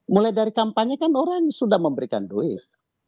mulai dari kampanye kan orang sudah memberikan duit